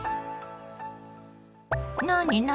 何何？